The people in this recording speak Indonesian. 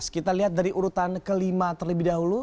kita lihat dari urutan kelima terlebih dahulu